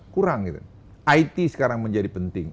kurang gitu it sekarang menjadi penting